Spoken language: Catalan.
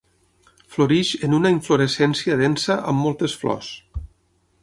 Floreix en una inflorescència densa amb moltes flors.